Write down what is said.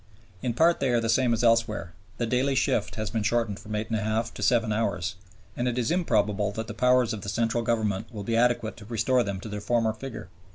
In part they are the same as elsewhere; the daily shift has been shortened from 8 1/2 to 7 hours, and it is improbable that the powers of the Central Government will be adequate to restore them to their former figure.